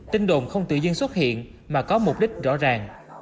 tin đồn không tự nhiên xuất hiện mà có mục đích rõ ràng